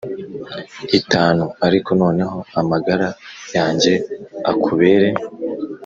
itanu ariko noneho amagara yanjye akubere